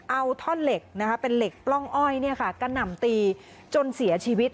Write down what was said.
เอาท่อนเหล็กเป็นเหล็กปล้องอ้อยกระหน่ำตีจนเสียชีวิต